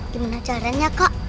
gimana caranya kak